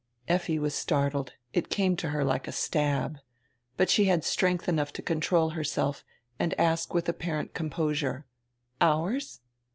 Effi was startled; it came to her like a stab. But she had strength enough to control herself and ask with apparent composure: "Ours?"